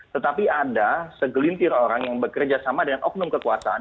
tetapi ada segelintir orang yang bekerja sama dengan oknum kekuasaan